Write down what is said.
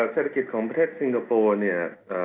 เศรษฐกิจของประเทศสิงคโปร์เนี่ย